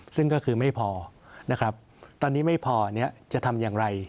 ซึ่งก็คือไม่พอนะครับตอนนี้ไม่พอเนี่ยจะทำอย่างไร